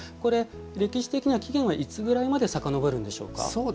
歴史的な起源はいつぐらいまでさかのぼるんでしょうか。